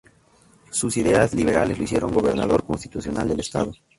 Sus ideas liberales lo hicieron Gobernador Constitucional del Estado.